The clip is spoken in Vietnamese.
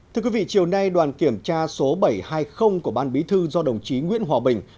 thưa quý vị chiều nay đoàn kiểm tra số bảy trăm hai mươi của ban bí thư do đồng chí nguyễn hòa bình